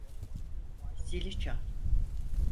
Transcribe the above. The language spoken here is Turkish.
Zili çal.